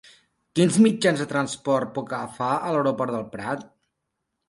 Quins mitjans de transport puc agafar a l'aeroport del Prat?